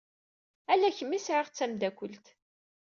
Ala kemm i sɛiɣ d tameddakelt.